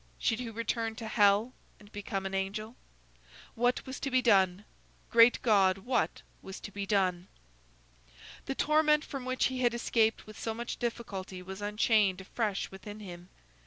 Should he return to hell and become an angel?" What was to be done? Great God! what was to be done? The torment from which he had escaped with so much difficulty was unchained afresh within him.